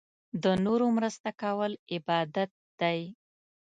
د نورو مرسته کول عبادت دی.